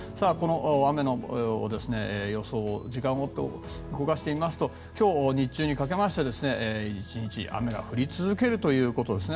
雨の予想時間を動かしてみますと今日日中にかけまして１日雨が降り続けるんですね。